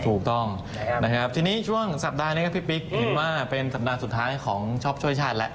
ถูกต้องนะครับทีนี้ช่วงสัปดาห์นี้ครับพี่ปิ๊กเห็นว่าเป็นสัปดาห์สุดท้ายของช็อปช่วยชาติแล้ว